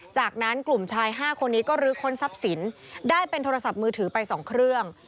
จากนั้นกลุ่มชาย๕คนนี้ก็ลื้อค้นทรัพย์สินได้เป็นโทรศัพท์มือถือไป๒เครื่อง